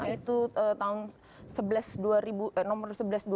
itu tahun nomor sebelas dua ribu delapan